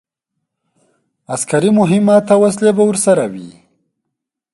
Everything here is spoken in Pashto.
عسکري مهمات او وسلې به ورسره وي.